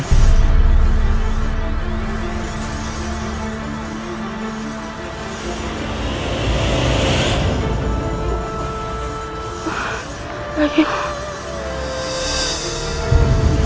aku tidak akan meninggalkanmu